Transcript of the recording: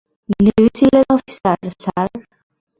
Navy সীলের officer, sir.